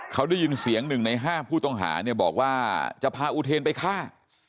เขาได้ยินเสียง๑ใน๕ผู้ต้องหาเนี่ยบอกว่าจะพาอุเทนไปฆ่า